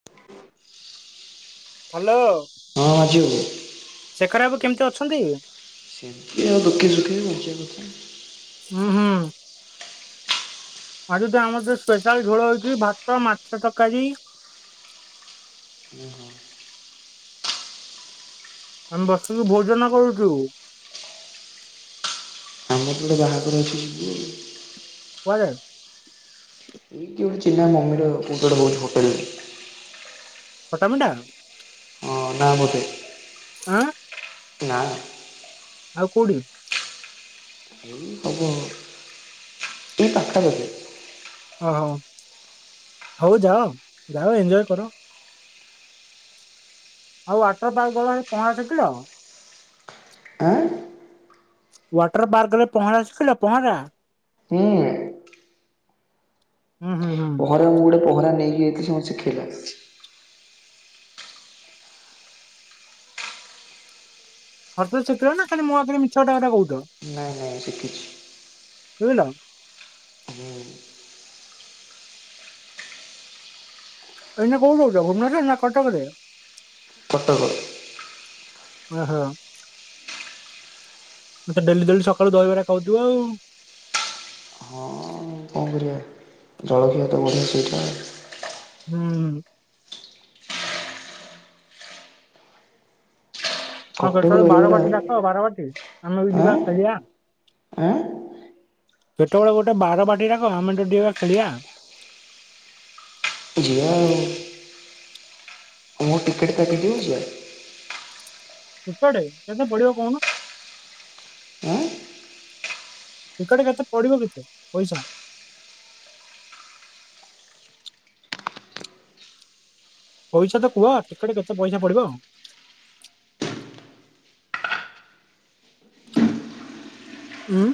[inaudible] Hello. ହଁ ଆସିବୁ। ଶେଖର ବାବୁ କେମିତି ଅଛନ୍ତି। ସେମିତି ଆଉ ଦୁଃଖେ ଶୁଖେ ବଞ୍ଚିବା କଥା। ହୁଁ ହୁଁ। ଛାଡି ଦେ ଆମର ସ୍ପେଶାଲ ଝୋଳ ହଉଛି ଭାତ ମାଛ ତରକାରୀ। [inaudible] ଆମେ ବସକି ଭୋଜନ କରୁଛୁ। ଆମର ଗୋଟେ ବାହାଘର ଅଛି ଯିବି ଆଉ। କୁଆଡେ। ଇଏ ଗୋଟେ ଚିହ୍ନା ମମିର [unintelligible] ହୋଟେଲରେ। ପଟ୍ଟାମୁଣ୍ଡା। ହଁ ନା ବୋଧେ। ଆଁ। ନା। ଆଉ କୋଉଠି। ହବ ଏ ପାଖା ପାଖି। ଓହୋ ହଉ ଯାଅ ଯାଅ ଏଞ୍ଜୟ୍ କର। ଆଉ ୱାଟର ପାର୍କ ଗଲ ପହରିଥିଲ। ଆଁ ୱାଟର ପାର୍କ ଗଲ ପହଁରା ଶିଖିଲ ପହଁରା। ହୁଁ। ହୁଁ ହୁଁ ହୁଁ। ଆରେ ମୁଁ ଗୋଟେ ପହଁରା ନେଇକି ଯାଇିଥିଲି ସେ ମତେ ଶିଖେଇଲା। ସତରେ ଶିଖେଇଲା ନା ସେ ମୁହଁ ଉପରେ ମିଛ କଥା ଗୁଡା କହୁଛୁ। ନାଇଁ ନାଇଁ ଶିଖିଛି। [unintelligible] [inaudible] ଏଇ କୋଉଠି ରହୁଚ ଭୁବନେଶ୍ୱରେ ନା କଟକରେ। କଟକ। ଓ ହୋ। ଡେଲି ଡେଲି ସକାଳୁ ଦହିବାରେ ଖାଉଥିବ ଆଉ। [inaudible] କଣ କରିବା ଜଳଖିଆ ତ ବଢ଼ିଆ ସେଇଟା। ହୁଁ। କଟକ ହଉ ଦହିବରା ବାରବାଟୀ ଡାକ ବାରବାଟୀ ଆମେ ବି ଯିବା ଆଁ ଖେଳିଆ। ଆଁ। କେତେବଳେ ଗୋଟେ ବାରବାଟୀ ଡାକ ଆମେ ତ ଯିବା ଖେଳିବା। ଯିବା ଆଉ। କଉଁ ଟିକେଟ୍ କାଟିଦଉଚ? ଟିକେଟେ କେତେ ପଡିବ କହୁନ? ଆଁ ଟିକଟେ କେତେ ପଡିବ କେତେ ପଇସା? ପଇସା ତ କୁହ ଟିକେଟେ କେତେ ପଇସା ପଡିବ? ହୁଁ।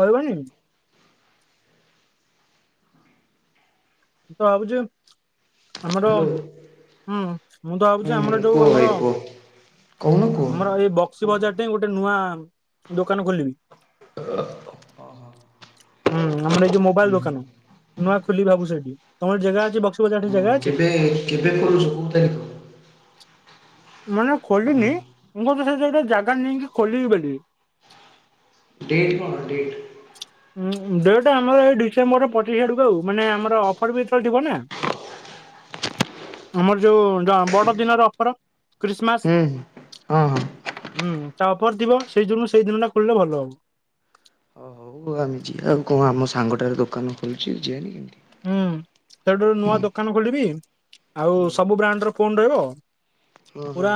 କହିବନି। ମୁଁ ତ ଭାବୁଚି ଆମର ହ୍ୟାଲୋ। ହୁଁ- ମୁଁ ତ ଭାବୁଚି ହୁଁ ଆମର ଯଉ କୁହ ଭାଇ ଆମର କୁହ। କହୁନ କୁହ। ଆମର ହୁଁ ଏଇ ବକ୍ସି ବଜାର ଟେ ଗୋଟେ ନୂଆ ଦୋକାନ ଖୋଲିବି। ହୁଁ ଆମର ଏ ଯଉ ମୋବାଇଲ୍ ହୁଁ ଦୋକାନ। ନୂଆ ଖୋଲିବି ଭାବୁଚି ସେଠି। ତମର ଜାଗା ଅଛି ବକ୍ସି ବଜାର ଟି ହଁ ଜାଗା ଅଛି? [inaudible] ମାନେ ଖୋଲିନି ମୁଁ ଭାବୁଚି ସେଠେ ଗୋଟେ ଜାଗା ନେଇକି ଖୋଲିବି ବୋଲି। ଡେଟ୍ କଣ ଡେଟ୍? ଉଁ- ଡେଟ୍ ଆମର ଏଇ ଡିସେମ୍ବର ପଚିଶ୍ ଆଡକୁ ଆଉ ମାନେ ଆମର ଅଫର୍ ବି ସେତବେଳେ ଥିବ ନା। [unintelligible] ଆମର ଯଉ ବଡ ଦିନର ଅଫର ଖ୍ରୀଷ୍ଟମାସ୍ ହୁଁ ହୁଁ ହଁ ହଁ। ହୁଁ ତା ଉପରେ ଥିବ ସେଇ ଦିନୁ ସେଇ ଦିନ ଟା ଖୋଲିଲେ ଭଲ ହବ। ହଁ ଆମେ ଯିବା ଆଉ କଣ ଆମ ସାଙ୍ଗଟାର ଦୋକାନ ଖୋଲିଚି ଯିବାନି କେମିତି। ହୁଁ ସେଠୁ ନୂଆ ଦୋକାନ ଖୋଲିବି ଆଉ ହୁଁ ସବୁ ବ୍ରାଣ୍ଡ୍ ର ଫୋନ୍ ରହିବ। ହଁ ପୁରା ହଁ।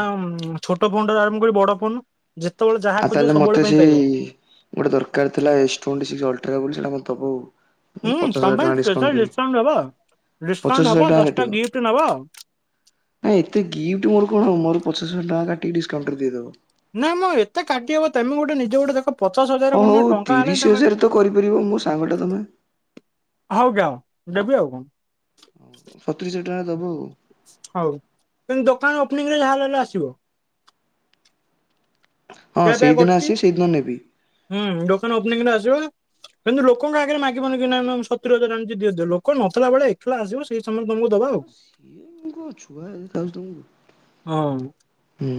ଛୋଟ ଫୋନ୍ ଟାରୁ ଆରମ୍ଭ କରି ବଡ ଫୋନ ଯେତେବେଳେ ଯାହା ଆଉ ଖୋଜିବ ତାହେଲେ ମତେ ସବୁବେଳେ ପାଇଁ ସେଇ ପାଇବ। ଗୋଟେ ଦରକାର୍ ଥିଲା ଏସ୍ ଟ୍ୱେଣ୍ଟି ସିକ୍ସ୍ ଅଲଟ୍ରା ବୋଲି ସେଇଟା ମତେ ଦବୁ। ହୁଁ ପଚାଶ ତମ ହଜାର ପାଇଁ ଟଙ୍କା ଡିସକାଉଣ୍ଟ ସ୍ପେଶିଆଲ୍ କରି ଡିସକାଉଣ୍ଟ୍ ହବ ପଚାଶ ଡିକାଉଣ୍ଟ୍ ହଜାର ହବ ଟଙ୍କା ଦଶଟା କାଟିବ। ଗିଫ୍ଟ୍ ନବ। ନାଇଁ ଏତେ ଗିଫ୍ଟ୍ ମୋର କଣ ହବ ମୋର ପଚାଷ ହଜାର ଟଙ୍କା କାଟିକି ଡିସକାଉଣ୍ଟ୍ କରିଦେଇଦେବ। ନାଇଁ ମ ଏତେ କାଟି ହବ ତେମେ ଗୋଟେ ନିଜେ ଗୋଟେ ଦେଖ ପଚାଶ ହଁ ହଜାର ହଉ [unintelligible] ଟଙ୍କା ତିରିଶ ହେଲାଣି ହଜାର ତ କରିପାରିବ ମୋ ସାଙ୍ଗଟା ତମେ। [unintelligible] ହଉ ଆଜ୍ଞା ଦେବି ଆଉ କଣ। ସତେଇଶ୍ [unintelligible] ଟଙ୍କା ଦେବ ଆଉ। ହଉ କିନ୍ତୁ ଦୋକାନ ଓପନିଂ ହେଲେ ଯାହା ହେଲେ ବି ଆସିବ। ହଁ ଖିଆ ପିଆ ସେଇଦିନ କରୁଚି ଆସିବେ ସେଇଦିନ ନେବି। ହୁଁ- ଦୋକାନ ଓପନିଙ୍ଗ୍ ହେଲେ ଆସିବ। କିନ୍ତୁ ଲୋକଙ୍କ ଆଗେରେ ମାଗିବନି କି ନାଇଁ ସତୁରି ହଜାରେ [unintelligible] ଲୋକ ନଥିଲା ବେଳେ ହେଲା ଆସିବ ସେଇ ସମୟ ତମକୁ ଦବା ଓ ଆଉ ସିଏ ମୁଁ କଣ ଛୁଆ ଦେଖାଯାଉଛି ତମକୁ ହଁ। ହୁଁ।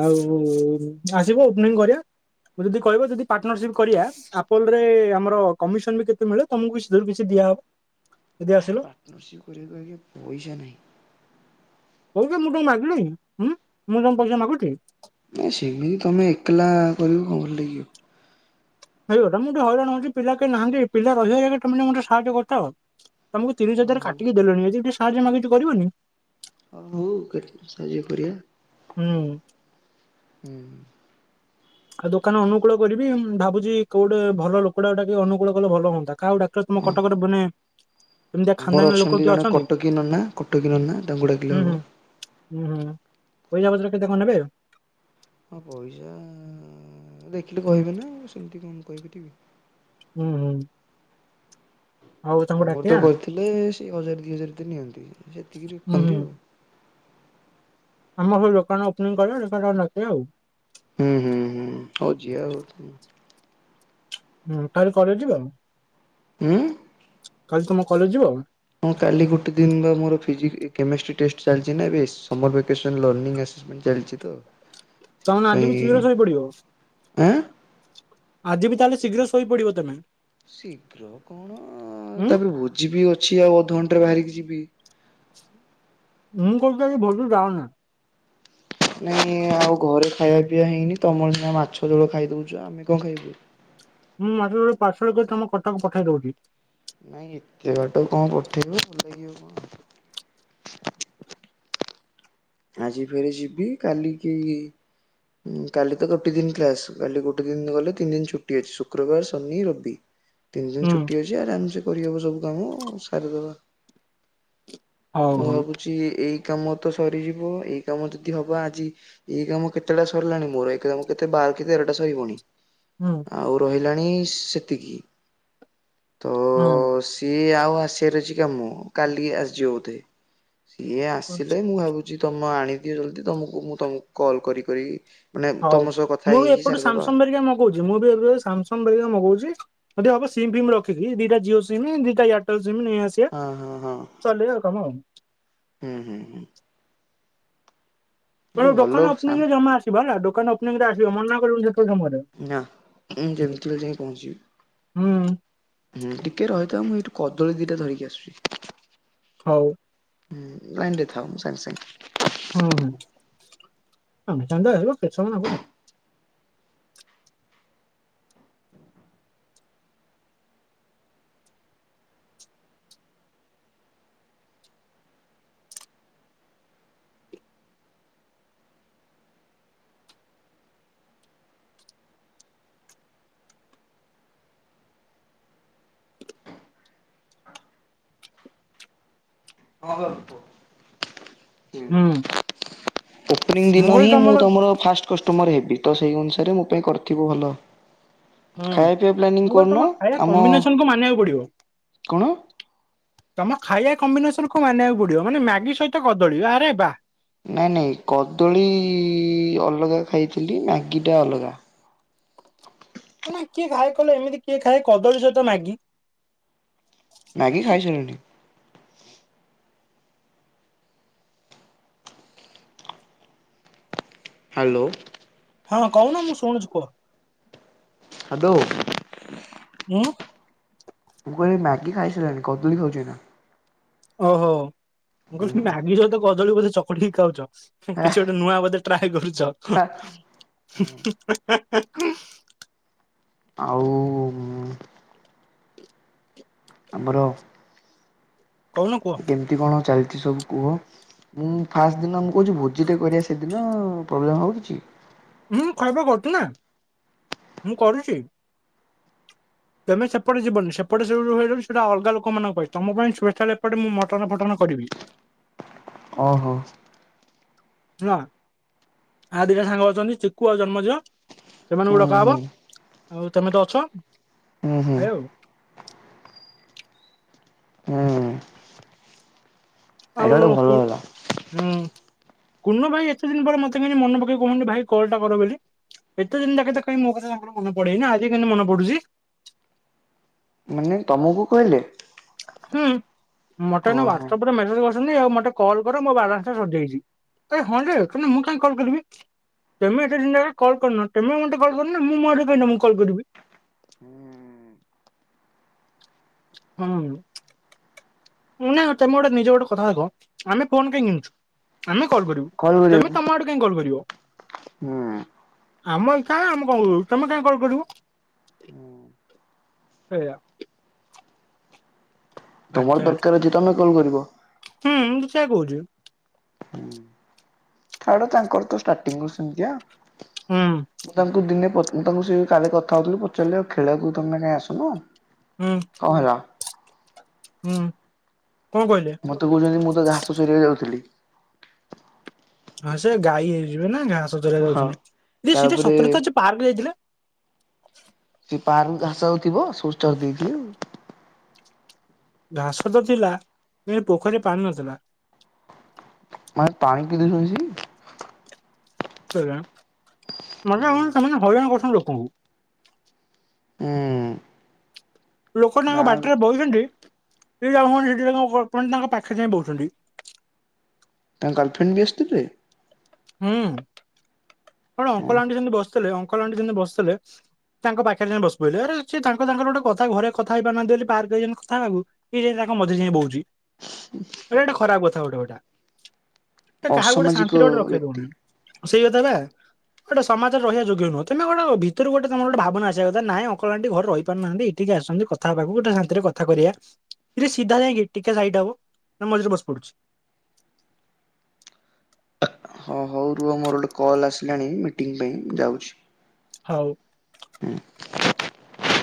ଆଉ ଆସିବ ଓପନିଙ୍ଗ୍ କରିବା ଯଦି କହିବ ଯଦି ପାର୍ଟନରସିପ୍ କରିବା ଆପୋଲ୍ ରେ ଆମର କମିଶନ୍ ବି କେତେ ମିଳେ ତମକୁ କିଛିରୁ କିଛି ଦିଆହବ ଯଦି ଆସିଲ। [unintelligible] [unintelligible] ମୁଁ କଣ ପଇସା ମାଗୁଚି। ନାଇଁ ସେମିତି ତମେ ଏକଲା କରିବୁ କଣ ଭଲ ଲାଗିବ। ହେଇକଥା ମୁଁ ଟିକେ ହଇରାଣ ହଉଚି ପିଲା କେହି ନାହାନ୍ତି ପିଲା ରହିବ ତମେ [unintelligible] ସାହାଯ୍ୟ କରିଥାଅ। ତମକୁ ତିରିଶ୍ ଅ ହଜାର ହଉ କାଟିକି ଦେଲିଣି ଯଦି ଟିକେ ସାହାଯ୍ୟ ମାଗିଚି କରିବନି। ଆଉ ହୁଁ। [unintelligible] ହୁଁ। ଆଉ ଦୋକାନ ଅନୁକୂଳ କରିବି, ଭାବୁଛି କୋଉଟେ ଭଲ ଲୋକଟାକେ ଡାକି ଅନୁକୂଳ କଲେ ଭଲ ହୁଅନ୍ତା। କାହାକୁ ଡାକିଲେ ତମ ହଁ କଟକରେ ବନେ। ଆମର ଅଛନ୍ତି ଜଣେ କଟକୀ ନନା, କଟକୀ ନନା ତାଙ୍କୁ ଡାକିଲେ ହବ। ଉଁ-ପଇସା ପତର କେତେ କଣ ନେବେ। ହଁ, ପଇସା- ଦେଖିଲି କହିବେ ନା ସେମିତି କଣ କହିପାରିଵେ। ହୁଁ ହୁଁ ହଉ ତାଙ୍କୁ ଆମର ତ ଡାକିବା କରିଥିଲେ ସେ ହଜାର ଦି ହଜାର ତ ନିଅନ୍ତି, ସେତିକି ହୁଁ ହୁଁ ରଖନ୍ତି ଆଉ। ଆମର ସଉ ଦୋକାନା ଓପନିଂ କରିବା [unintelligible] ଆଉ। ହୁଁ ହୁଁ ହୁଁ ହଉଚି ଆଉ। ହୁଁ, ତାହେଲେ କରେ ଯିବ। ଉଁ କାଲି ତମେ କଲେଜ ଯିବ। ହଁ କାଲି ଗୋଟେ ଦିନ ବା ମୋର ଫିଜିକ କେମିଷ୍ଟ୍ରି ଟେଷ୍ଟ ଚାଲିଛି ନା ଏବେ ସମର ଭେକେସନ ଲର୍ଂନିଂ ଆସି। ଚାଲିଛି ତ ତମେ ନା ଆଜି ବି ଶୀଘ୍ର ସେଥିପାଇଁ ଶୋଇପଡିବ ଆଁ। ଆଜି ବି ତାହେଲେ ଶୀଘ୍ର ଶୋଇପଡିବ ତମେ। ଶୀଘ୍ର କଣ, ଉଁ ତାପରେ ଭୋଜିି ବି ଅଛି ଆଉ ଅଧଘଣ୍ଟେ ରେ ବାହାରିକି ଯିବି। ମୁଁ କହୁଥିଲି ଭୋଜି ଯାଆନା। ନାଇଁ ଆଉ ଘରେ ଖାଇବା ପିଇବା ହେଇନି, ତମର ସିନା ମାଛଝୋଳ ଖାଇ ଦଉଚ ଆମେ କଣ ଖାଇବୁ। ହୁଁ, ଆଜି ଗୋଟେ ପାର୍ସଲ କରି ତମକୁ କଟକ ପଠେଇ ଦଉଚି। ନାଇଁ ଏତେ ବାଟ କଣ ପଠେଇବ ଭଲ ଲାଗିବ କଣ। ଆଜି ଫେରେ ଯିବି କାଲିକି- ହୁଁ, କାଲି ତ ଗୋଟେ ଦିନ କ୍ଲାସ କାଲି ଗୋଟେ ଦିନ ଗଲେ, ତିନି ଦିନ ଛୁଟି ଅଛି ଶୁକ୍ରବାର, ଶନି, ରବି। [inaudible] ତିନି ଦିନ ଛୁଟି ଅଛି ଆରାମସେ କରିହେବ ସବୁ କାମ ସାରିଦବା। ହଉ ମୁଁ ହଉ ଭାବୁଚି ଏଇ କାମ ତ ସରିଯିବ, ଏଇ କାମ ଯଦି ହବ ଆଜି। ଏଇ କାମ କେତେଟା ସରିଲାଣି ମୋର, ଏଇ କାମ କେତେ ବାର କି ତେରଟା ସରିବଣି। ହୁଁ। ଆଉ ରହିଲାଣି ସେତିକି ତ। ହୁଁ ସିଏ ଆଉ ଆସିବାର ଅଛି କାମ, କାଲି ଆସିଯିବ ବୋଧେ। ସିଏ ହୁଁ। ଆସିଲେ, ମୁଁ ଭାବୁଛି ତମେ ଆଣିଦିଅ ଜଲଦି ତମକୁ ମୁଁ ତମକୁ କଲ କରିି କରି। ମାନେ ହଉ, ତମ ସହ କଥା ମୁଁ ହେଇ ବି ହେଇ ଏପଟୁ ସାରିଦବା। ସାମସଙ୍ଗ ବେରିକା ମଗଉଚି ମୁଁ ବି ଏବେ ସାମସଙ୍ଗ ବେରିକା ମଗଉଚି। ଯଦି ହବ ସିମ୍ ଫିମ୍ ରଖିକି, ଦିଟା ଜିଓ ସିମ୍ ଦିଟା ଏୟାରଟେଲ ସିମ୍ ନେଇଆସି। ହଁ ହଁ ହଁ ହୁଁ ହୁଁ ହୁଁ। ମୋ ଗୋଟେ ଭଲ ଦୋକାନ ଓପନିଂ ରେ ସାମ ଜମା ଆସିବ ହେଲା ଦୋକାନ ଓପନିଂରେ ଆସିବ ମନା କରିବୁନି ସେତେବେଳେ ସମୟରେ। ନାଁ, ମୁଁ ଯେମିତି ହେଲେ ଯାଇ ପହଞ୍ଚିବି, ହୁଁ ହୁଁ ଟିକେ ରହିଥା, ମୁଁ ଏଇଠୁ କଦଳୀ ଦିଟା ଧରିକି ଆସୁଚି। ହଉ। ହୁଁ, ଲାଇନରେ ଥାଓ ମୁଁ ସାଙ୍ଗେ ସାଙ୍ଗେ। ହୁଁ, ସାଙ୍ଗେ ସାଙ୍ଗେ ଆଇବ କେତେ ସମୟ ନାଗୁଛି। ହଁ, ବାବୁ କୁହ। ହୁଁ। ଓପନିଂ ଦିନ ହିଁ ମୁଁ ତମର ଫାଷ୍ଟ କଷ୍ଟମର ହେବି, ତ ସେଇ ଅନୁସାରେ ମୋ ପାଇଁ କରିଥିବ ଭଲ। ହୁଁ ଖାଇବା ପିଇବା ପ୍ଲାନିଂ ମୁଁ କହିଲି ତମ କରୁନ ଖାଇବା ଆମ। କମ୍ବିନେସନ କୁ ମାନିବାକୁ ପଡିବ। କଣ? ତମ ଖାଇବା କମ୍ବିନେସନ୍ କୁ ମାନିବାକୁ ପଡିବ, ମାନେ ମାଗି ସହିତ କଦଳୀ ଆରେ ବାଃ। ନାଇଁ ନାଇଁ କଦଳୀ -ଳୀ -ଳି-ଳି-ଳି ଅଲଗା ଖାଇଥିଲି ମ୍ୟାଗି ଟା ଅଲଗା। ମାନେ କିଏ ଖାଏ କହିଲ ଏମିତି କିଏ ଖାଏ କଦଳୀ ସହିତ ମାଗି? ମ୍ୟାଗି ଖାଇଥିଲଣି? ହାଲୋ। ହଁ କହୁନ, ମୁଁ ଶୁଣୁଛି କୁହ। ହାଦୋ। ଉଁ। ମୁଁ କହିଲି ମ୍ୟାଗି ଖାଇସାଇଲିନି, କଦଲି ଖାଉଛି ଏନା। ଓହୋ ମୁଁ କଥିଲି ମ୍ୟାଗି ସହିତ କଦଳୀ ବୋଧେ ଚକୁଡିକି ଖାଉଚ, କିଛି ଗୋଟେ ନୂଆ ବୋଧେ। ଟ୍ରାଏ କରୁଛ [unintelligible] ଆଉ? ଆମର। କହୁନ କୁହ। ଏମିତି କଣ ଚାଲ୍ ଥିଲୁ କୁହ? ମୁଁ ଫାଷ୍ଟ ଦିନ ମୁଁ କହୁଛି ଭୋଜିଟେ କରିବା ସେଦିନ ପ୍ରୋବ୍ଲେମ୍ ହୋଉଛି। ହୁଁ ଖଖଇବା କରିଥିଲେ ନା ମୁଁ କରିଚି। ତମେ ସେପଟେ ଯିବନି ସେପଟେ ସୁର୍ ସେଇଟା ଅଲଗା ଲୋକମାନଙ୍କ ପାଇଁ ତମ ପାଇଁ ପ୍ଲେଶାଲ୍ ଏପଟେ ମୁଁ ମଟନ ଫଟନ କରିବି। ଓହୋ। ଶୁଣ ଆଉ ଦିଟା ସାଙ୍ଗ ଅଛନ୍ତି ଚିକୁୁ ଆଉ ଜନ୍ମଯ। ସେମାନଙ୍କୁ ହୁଁ ଡକା ହବ ହୁଁ ଆଉ ତମେ ତ ଅଛ ହୁଁ ହୁଁ ଖାଇବ ଆଉ। ହୁଁ ଏଇଟା ଆଉ ଗୋଟେ ଭଲ କୋଉ ହେଲା। ହୁଁ। କୁନ ଭାଇ ଏତେ ଦିନ ପରେ ମତେ କେମିତି ମନେ ପକେଇ କୋହୁଚନ୍ତି ଭାଇ କଲ୍ ଟା କର ବୋଲି। ଏତେ ଦିନ୍ ଯାକେ ତ କାଇଁ ମୋ କଥା ତାଙ୍କର ମନେ ପଡେନି ଆଜି କେମିତି ମନେ ପଡୁଛି। ନେ ତମକୁ କହିଲେ? ହୁଁ ମୋତେ ଏନା ଓହୋ। ହ୍ଵାଟସପ୍ ରେ ମେସେଜ୍ କରିଛନ୍ତି ଆଉ ମୋତେ କଲ୍ କର ମୋ ବାଲାନ୍ସ ଟା ସରିଯାଇଛି। ଏ ହଁ ଯେ ମୁଁ କାହିଁ କଲ୍ କରିବି? ତମେ ଏତେ ଦିନ୍ ଯାକେ କଲ୍ କର୍ ନ ତମେ ମତେ କଲ୍ କରୁନ ମୁଁ ମୋ ଆଡେ କାଇଁ ତମକୁ କଲ୍ କରିବି। ହୁଁ। ହଁ ମ୍ ମୁନା ତମେ ଗୋଟେ ନିଜେ ଗୋଟେ କଥା ଭାବ ଆମେ ଫୋନ୍ କାହିଁ କିଣିଛୁ, ଆମେ କଲ୍ କରିବୁ। ତମେ ତମ ଆଡୁ କାହିଁ କଲ୍ କରିବ। ହୁଁ ଆମ ଇଚ୍ଛା ହେଲା ଆମେ କଲ୍ କରିବୁ ତମେ କାହିଁ କଲ୍ କରିବ? ସେୟା। ତମର ଦରକାର୍ ଅଛି ତମେ କଲ୍ କରିବ। ହୁଁଁ ମୁଁ ତ ସେୟା କହୁଛି। ହୁଁ। ଛାଡ ତାଙ୍କର ତ ଷ୍ଟାଟିଙ୍ଗ୍ ରୁ ସେମିତିଆ ହୁଁ ମୁଁ ତାଙ୍କୁ ଦିନେ ପ ମୁଁ ତାଙ୍କୁ ସେ କାଲି କଥା ହୋଉଥିଲୁ ପଚାରିଲି ଆଉ ଖେଳକୁ ତମେ କାହିଁ ଆସୁନ? ହୁଁ। କଁ ହେଲା? ହୁଁ କଁ କହିଲେ? ମତେ କହୁଛନ୍ତି, ମୁଁ ତ ଘାସ ସରିବାକୁ ଯାଉଥିଲି। ହଁ ସେ ଗାଈ ହେଇଯିବେ ନା ଘାଁସ ଚରେ ହଁ ଯାଉଛି, ଆରେ ସେ ତାପରେ ସତରେତ ପାର୍କ ଯାଇଥିଲେ। ସେ ପାାରୁ ଘାସ ଯାଉଥିବ ସୋଷ୍ଟ ଦେଇ। ଘାସ ତ ଥିଲା କି ପୋଖରୀରେ ପାଣି ନଥିଲା। ମାନ ପାଣି ପି ଦେଇ ଶୋଇଛି। ମାନେ କଣ ସେମାନେ ହଇରାଣ କରୁଛନ୍ତି ଲୋକଙ୍କୁ। ହୁଁ। ଲୋକ ତାଙ୍କ ଗାଁ ଲୋକ ବାଟରେ ବହୁଛନ୍ତି ସେ ଲଭୁାନ ସେଠି ତାଙ୍କ ପାଖେ ଯାଇଁ ବହୁଛନ୍ତି। ତାଙ୍କ ଗାଲଫ୍ରେଣ୍ଡ ବି ଆସିଥିଲେ? ହୁଁ କଣ ହଁ ଅଙ୍କଲ ଆଣ୍ଟି ଯେମିତି ବସିଥିଲେ ଅଙ୍କଲା ଆଣ୍ଟି ଯେମିତି ବସିଥିଲେ। ତାଙ୍କ ପାଖରେ ଯାଇ ବସି ପଡିଲେ ହେରା ସେ ତାଙ୍କର ଗୋଟେ କଥା ଘରେ କଥା ହେଇପାରୁ ନାହାନ୍ତି ବୋଲି ପାର୍କ ଯାଇଛନ୍ତି କଥାହେବାକୁ। ଇଏ ଯାଇକି ତାଙ୍କ ମଝିରେ ଯାଇକି ବଉଚି। ଏଇଟା ଗୋଟେ ଖରାପ କଥା। ହେ କାହାକୁ ଗୋଟେ ଅସାମାଜିକ ଶାନ୍ତିରେ ଗୋଟେ ରଖେଇ ବ୍ୟକ୍ତି ଦଉନି ସେଇ କଥା ବା। ଗୋଟେସମାଜରେ ରହିବା ଯୋଗ୍ୟ ନୁହଁ ତମେ ଗୋଟେ ଭିତରୁ ଗୋଟେ ତମର ଗୋଟେ ଭାବନା ଆସିବା କଥା ନାଇଁ ଅକଲ୍ଆଣ୍ଟି ଘରେ ରହିପାରୁନାହାନ୍ତି ଏଠିକି ଆସିଛନ୍ତି କଥ ଥା ହେବାକୁ ଗୋଟେ ଶାନ୍ତିରେ କଥା କରିବା ସିଧା ଯାଇକି ଟିକେ ସାଇଟି ହବୁ ମଝିରେ ବସି ପଡୁଛି। ହଁ ହଉ ରୁହ ମୋର ଗୋଟେ କଲ୍ ଆସିଲାଣି ମିଟିଂ ପାଇଁ ଯାଉଛି। ହଉ। ହୁଁ।